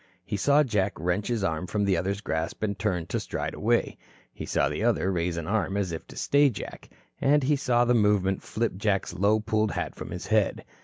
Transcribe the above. He saw Jack wrench his arm from the other's grasp and turn to stride away. He saw the other raise an arm as if to stay Jack. And he saw the movement flip Jack's low pulled hat from his head.